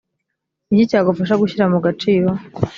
ni iki cyagufasha gushyira mu gaciro?